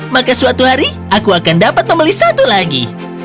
maka suatu hari aku akan dapat membeli satu lagi